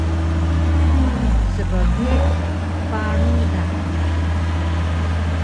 Sbgihur paru da